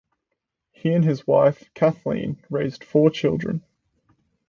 He and his wife Kathleen raised four children.